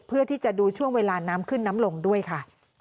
เพื่อที่จะดูช่วงเวลาน้ำขึ้นน้ำลงด้วยค่ะ